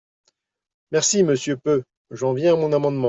Merci, monsieur Peu… J’en viens à mon amendement.